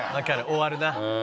終わるな。